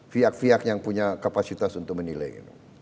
fiat fiat yang punya kapasitas untuk menilai